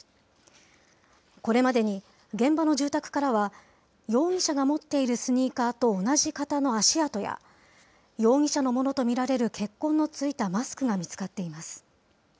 これまでに、現場の住宅からは容疑者が持っているスニーカーと同じ型の足跡や、容疑者のものと見られる血痕の付いたマスクが見つかっています。